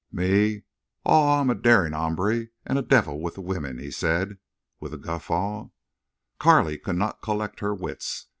Aw, I'm a darin' hombre an' a devil with the wimmin," he said, with a guffaw. Carley could not collect her wits.